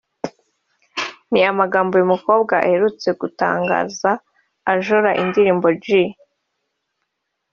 ni amagambo uyu mukobwa aherutse gutangaza ajora indirimbo ‘G